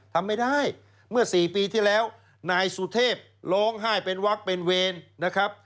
ทำไม่ได้เมื่อ๔ปีที่แล้วนายสุเทพร้องไห้เป็นวักเป็นเวรนะครับ